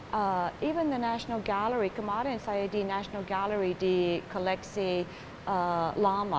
bahkan di national gallery kemarin saya di national gallery di koleksi lama